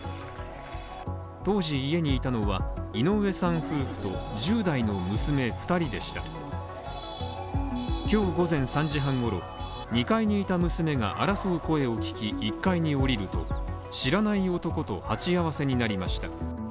当時家にいたのは井上さん夫婦と１０代の娘２人でした今日午前３時半ごろ２階にいた娘が争う声を聞き、１階に降りると知らない男と鉢合わせになりました。